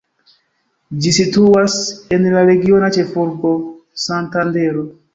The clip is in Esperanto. Ĝi situas en la regiona ĉefurbo, Santandero.